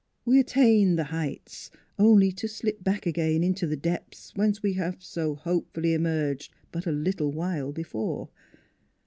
We attain the heights, only to slip back again into the depths whence we have so hopefully emerged but a little while before.